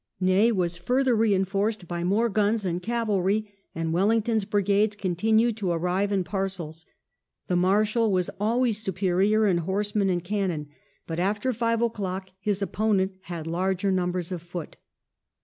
Ney was further reinforced by more guns and cavalry, and Wellington's brigades continued to arrive in parcels. The Marshal was always superior in horsemen and cannon, but after five o'clock his opponent had larger numbers of foot.